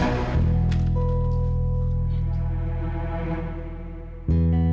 apasih kalau bisa